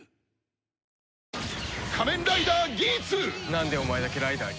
なんでお前だけライダーに？